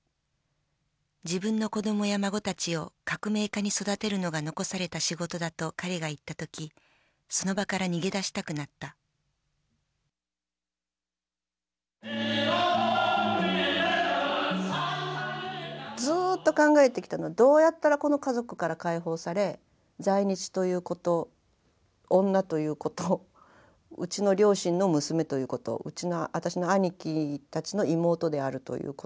自分の子どもや孫たちを革命家に育てるのが残された仕事だと彼が言った時その場から逃げ出したくなったずっと考えてきたのはどうやったらこの家族から解放され在日ということ女ということうちの両親の娘ということうちの私の兄貴たちの妹であるということ。